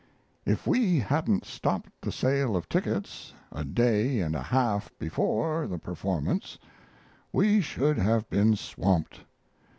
If we hadn't stopped the sale of tickets a day and a half before the performance we should have been swamped.